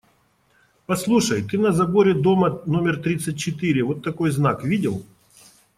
Послушай: ты на заборе дома номер тридцать четыре вот такой знак видел?